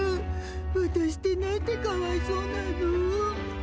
わたしってなんてかわいそうなの。